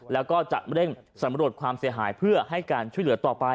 แล้วก็จะเร่งสำรวจความเสียหายเพื่อให้การช่วยเหลือต่อไป